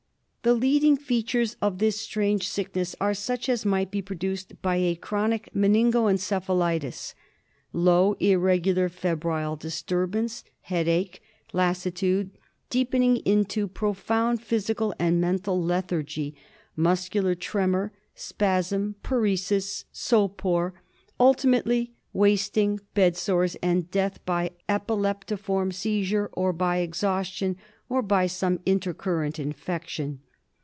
The leading features of this strange sickness are such as might be produced by a chronic meningo encephalitis. Low irregular febrile disturbance, headache, lassitude deepening into profound physical and mental lethargy, muscular tremor, spasm, paresis, sopor, ultimately wasting, bedsores, and death by epileptiform seizure, or by exhaustion, or by some intercurrent infec tion.